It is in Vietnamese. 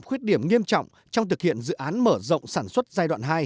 khuyết điểm nghiêm trọng trong thực hiện dự án mở rộng sản xuất giai đoạn hai